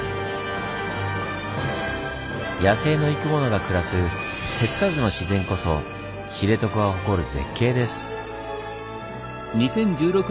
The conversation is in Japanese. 野生の生き物が暮らす手つかずの自然こそ知床が誇る絶景です。